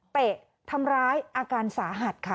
เตะทำร้ายอาการสาหัสค่ะ